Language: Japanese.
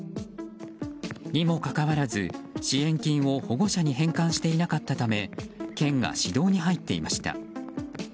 にもかかわらず、支援金を保護者に返還していなかったため県が指導に入っていました。